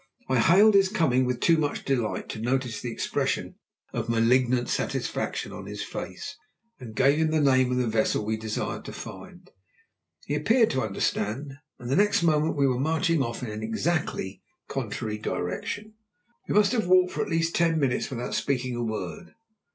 I hailed his coming with too much delight to notice the expression of malignant satisfaction on his face, and gave him the name of the vessel we desired to find. He appeared to understand, and the next moment we were marching off in an exactly contrary direction. We must have walked for at least ten minutes without speaking a word.